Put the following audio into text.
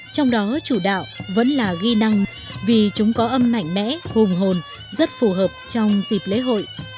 trong đó chủ đạo vẫn là ghi năng vì chúng có âm mạnh mẽ hùng hồn rất phù hợp trong dịp lễ hội